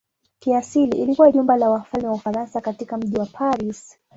Kiasili ilikuwa jumba la wafalme wa Ufaransa katika mji wa Paris.